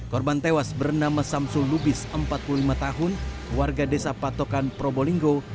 korban tewas bernama samsul lubis empat puluh lima tahun warga desa patokan probolinggo